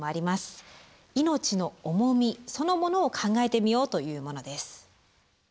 命の重みそのものを考えてみようというものです。